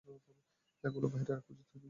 এগুলো বাইরে রাখা উচিৎ হয়নি।